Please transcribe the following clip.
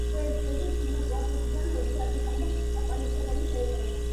გრეისლენდში თხუტმეტიდან ოცი ათასამდე თაყვანისმცემელი შეიკრიბა.